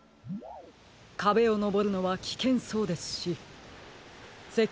かべをのぼるのはきけんそうですしせっ